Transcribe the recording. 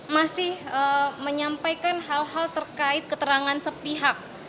masih menyampaikan hal hal terkait keterangan sepihak